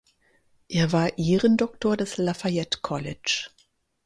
Er war Ehrendoktor des Lafayette College.